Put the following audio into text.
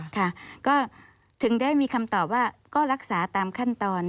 ค่ะก็ถึงได้มีคำตอบว่าก็รักษาตามขั้นตอน